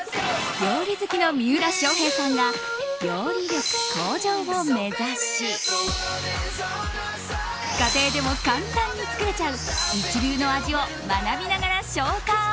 料理好きの三浦翔平さんが料理力向上を目指し家庭でも簡単に作れちゃう一流の味を学びながら紹介。